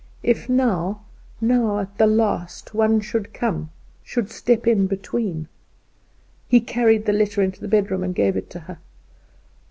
If now, now at the last, one should come, should step in between! He carried the letter into the bedroom and gave it to her.